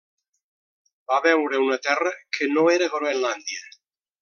Va veure una terra que no era Groenlàndia.